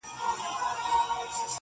• همېشه پر حیوانانو مهربان دی..